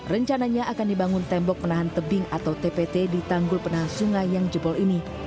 rencananya akan dibangun tembok menahan tebing atau tpt di tanggul penahan sungai yang jebol ini